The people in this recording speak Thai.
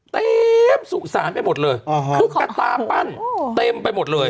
เต็มสุสานไปหมดเลยตุ๊กตาปั้นเต็มไปหมดเลย